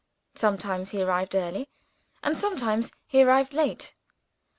Sometimes he arrived early, and sometimes he arrived late.